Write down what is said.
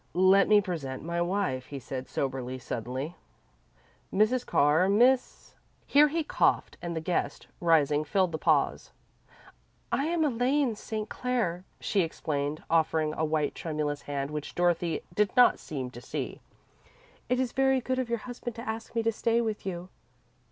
"Let me present my wife," he said, sobering suddenly. "Mrs. Carr, Miss " Here he coughed, and the guest, rising, filled the pause. "I am Elaine St. Clair," she explained, offering a white, tremulous hand which Dorothy did not seem to see. "It is very good of your husband to ask me to stay with you."